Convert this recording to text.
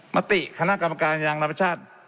มติคณะกรรมการยางนาปชาติ